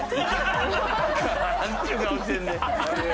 なんちゅう顔してんねん。